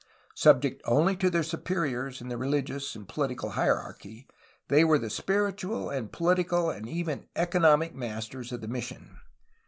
Subject only to their superiors in the religious and poHtical hierarchy, they were the spiritual, and political, and even economic masters of the mission.